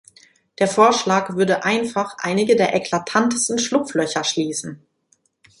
Der Vorschlag würde einfach einige der eklatantesten Schlupflöcher schließen.